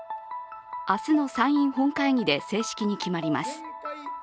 明日の参院本会議で正式に決まります。